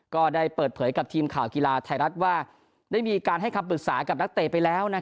ก็ได้เปิดเผยกับทีมข่าวกีฬาไทยรัฐว่าได้มีการให้คำปรึกษากับนักเตะไปแล้ว